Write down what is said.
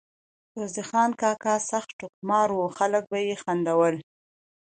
روزې خان کاکا سخت ټوکمار وو ، خلک به ئی خندول